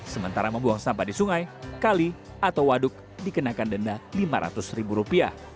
sementara membuang sampah di sungai kali atau waduk dikenakan denda rp lima ratus ribu rupiah